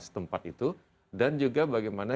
setempat itu dan juga bagaimana